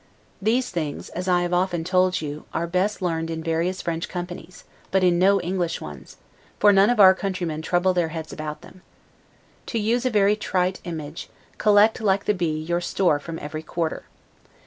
These things, as I have often told you, are best learned in various French companies: but in no English ones, for none of our countrymen trouble their heads about them. To use a very trite image, collect, like the bee, your store from every quarter.